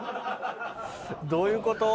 どういうこと？